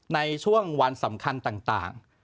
ในช่วงวันสำคัญต่าง